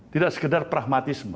tidak sekedar pragmatisme